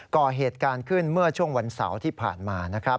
ก่อเหตุการณ์ขึ้นเมื่อวันเสาร์ที่ผ่านมา